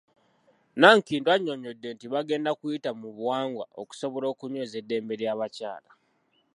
Nankindu annyonnyodde nti bagenda kuyita mu buwangwa okusobola okunyweza eddembe ly'abakyala.